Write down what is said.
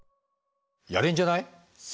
やれんじゃない？